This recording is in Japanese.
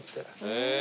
へえ。